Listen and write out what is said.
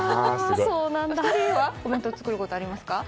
２人はお弁当作ることありますか？